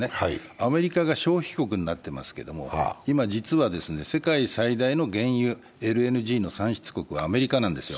アメリカが消費国になっていますけど、今、実は世界最大の原油ＬＮＧの産出国はアメリカなんですよ。